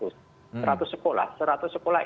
seratus sekolah seratus sekolah